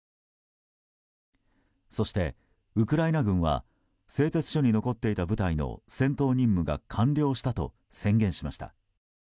そしてウクライナ軍は製鉄所に残っていた部隊の戦闘任務が完了したと宣言しました。